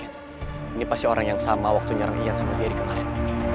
ini pasti orang yang sama waktu nyarang ian sama diri kemarin